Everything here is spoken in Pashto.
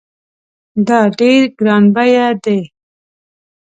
دا ډېر ګران بیه دی